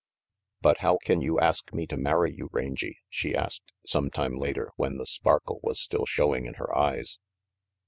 "But how can you ask me to marry you, Rangy?" she asked, some tune later, while the sparkle was still showing in her eyes.